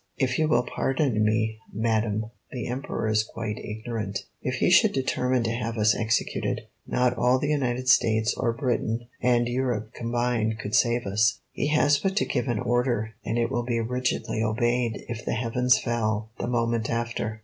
"If you will pardon me, madam, the Emperor is quite ignorant. If he should determine to have us executed, not all the United States or Britain and Europe combined could save us. He has but to give an order, and it will be rigidly obeyed if the heavens fell the moment after.